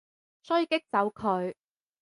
所以激走佢